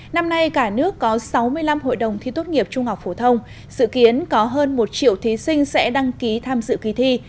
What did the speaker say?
năm nay cả nước có sáu mươi năm hội đồng thi tốt nghiệp trung học phổ thông sự kiến có hơn một triệu thí sinh sẽ đăng ký tham dự kỳ thi